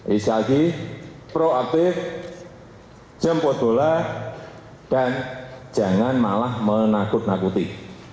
isi lagi proaktif jemput bola dan jangan malah menakut nakuti